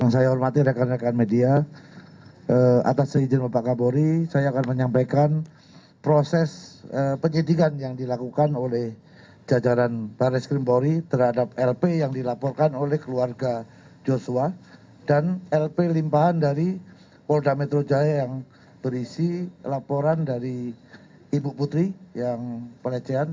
saya hormati rekan rekan media atas izin bapak wakabori saya akan menyampaikan proses penyidikan yang dilakukan oleh jajaran barreskrim bori terhadap lp yang dilaporkan oleh keluarga joshua dan lp limpahan dari polda metro jaya yang berisi laporan dari ibu putri yang pelecehan